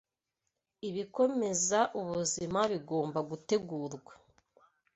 ibikomeza ubuzima bigomba gutegurwa